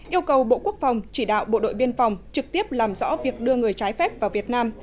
yêu cầu bộ quốc phòng chỉ đạo bộ đội biên phòng trực tiếp làm rõ việc đưa người trái phép vào việt nam